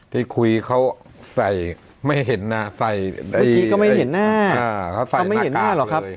ที่คุยเขาใส่ไม่เห็นหน้าใส่เมื่อกี้ก็ไม่เห็นหน้าเขาไม่เห็นหน้าหรอกครับ